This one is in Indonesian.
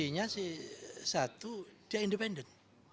artinya satu dia independen